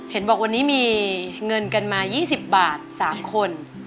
เห็นบอกวันนี้มีเงินกันมา๒๐บาท๓คน